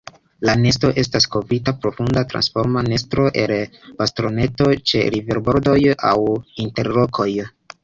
La nesto estas kovrita profunda tasforma nesto el bastonetoj ĉe riverbordoj aŭ inter rokoj.